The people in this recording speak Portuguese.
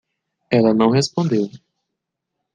Ela não respondeu.